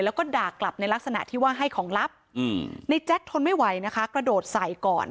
แล้วก็ด่ากลับในลักษณะที่ว่าให้ของลับในแจ๊คทนไม่ไหวนะคะกระโดดใส่ก่อน